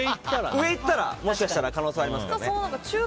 上にいったらもしかしたら可能性ありますからね。